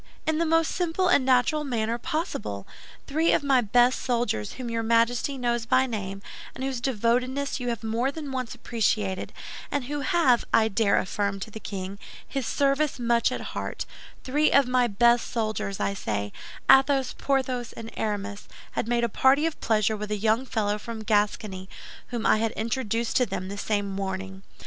In the most simple and natural manner possible. Three of my best soldiers, whom your Majesty knows by name, and whose devotedness you have more than once appreciated, and who have, I dare affirm to the king, his service much at heart—three of my best soldiers, I say, Athos, Porthos, and Aramis, had made a party of pleasure with a young fellow from Gascony, whom I had introduced to them the same morning.